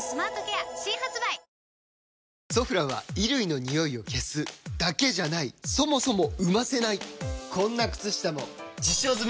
「ソフラン」は衣類のニオイを消すだけじゃないそもそも生ませないこんな靴下も実証済！